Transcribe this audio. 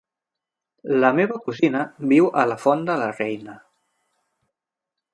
La meva cosina viu a la Font de la Reina.